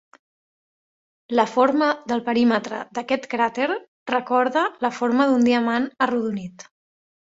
La forma del perímetre d'aquest cràter recorda la forma d'un diamant arrodonit.